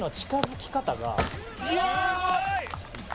すごい！